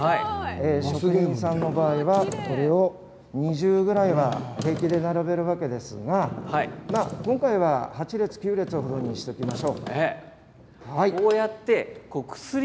職人さんは、これを２０ぐらいは平気で並べるんですが今回は８列９列にしておきましょう。